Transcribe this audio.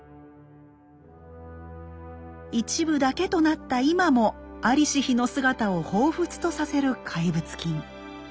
一部だけとなった今も在りし日の姿を彷彿とさせる怪物金。